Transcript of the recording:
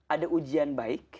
ada ujian baik